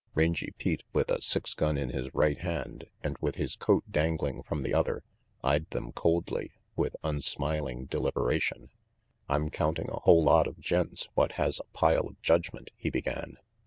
Rangy Pete, with a six gun in his right hand, and with his coat dangling from the other, eyed them coldly, with unsmiling deliberation. "I'm counting a whole lot of gents what has a pile of judgment," he began.